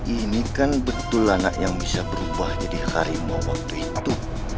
ini kan betul anak yang bisa berubah jadi harimau waktu itu